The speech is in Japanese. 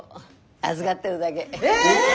預がってるだげ。